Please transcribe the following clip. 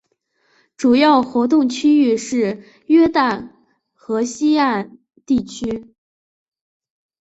主要活动区域是约旦河西岸地区。